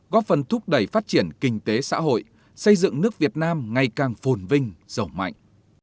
góp phần thúc đẩy phát triển kinh tế xã hội xây dựng nước việt nam ngày càng phồn vinh giàu mạnh